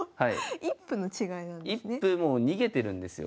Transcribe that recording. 一歩もう逃げてるんですよ。